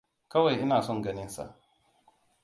Kawai ina son ganinsa.